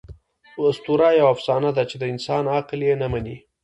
آسطوره یوه افسانه ده، چي د انسان عقل ئې نه مني.